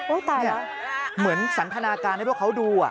โอ้ยตายแล้วเหมือนสันทนาการให้พวกเขาดู